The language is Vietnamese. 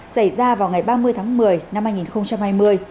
xảy ra vào ngày ba mươi tháng một mươi năm hai nghìn hai mươi